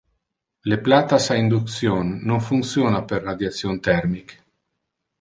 Le plattas a induction non functiona per radiation thermic.